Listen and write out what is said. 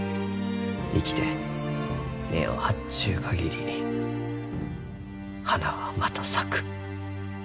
生きて根を張っちゅう限り花はまた咲く。